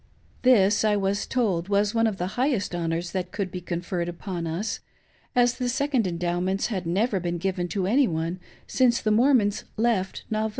This I was told was one of the highest honors that could be co; if erred upon us, as the Second Endowments had never been given to any one since the Mormons left Nauvoo.